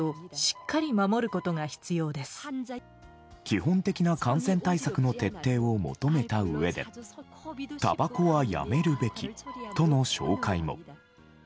基本的な感染対策の徹底を求めたうえでたばこはやめるべきとの紹介も。